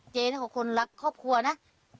เจนี่เขาคนรักครอบครัวนะ